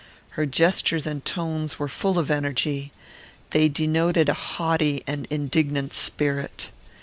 Her gestures and tones were full of energy. They denoted a haughty and indignant spirit.